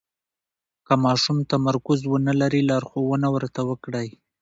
که ماشوم تمرکز ونلري، لارښوونه ورته وکړئ.